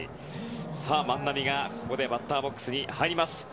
万波がここでバッターボックスに入ります。